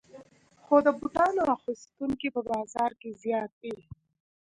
خو د بوټانو اخیستونکي په بازار کې زیات دي